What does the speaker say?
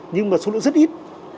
nhưng mà số lượng rất ít